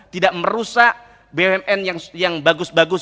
tidak merusak bumn yang bagus bagus